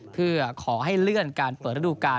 เพื่อขอให้เลื่อนการเปิดระดูการ